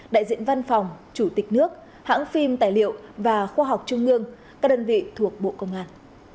đại diện văn phòng chủ tịch nước hãng phim tài liệu và khoa học trung ương các đơn vị thuộc bộ công an